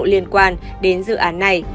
liên quan đến dự án này